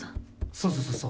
そうそうそうそう。